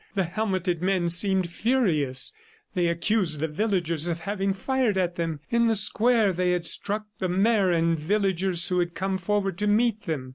The helmeted men seemed furious; they accused the villagers of having fired at them. In the square they had struck the mayor and villagers who had come forward to meet them.